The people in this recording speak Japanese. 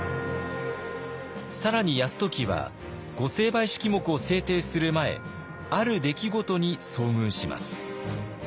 更に泰時は御成敗式目を制定する前ある出来事に遭遇します。